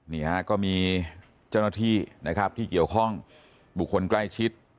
นี่ฮะก็มีเจ้าหน้าที่นะครับที่เกี่ยวข้องบุคคลใกล้ชิด